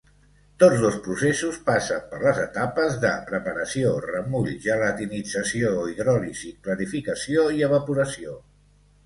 Tots dos processos passen per les etapes de: preparació, remull, gelatinització, hidròlisi, clarificació i evaporació.